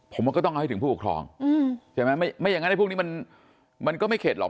ผมว่าก็ต้องเอาให้ถึงผู้ปกครองใช่ไหมไม่อย่างนั้นไอ้พวกนี้มันก็ไม่เข็ดหรอก